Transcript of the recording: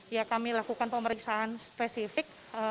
ya kami lakukan pemeriksaan spesifik